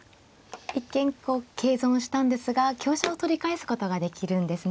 一見桂損したんですが香車を取り返すことができるんですね。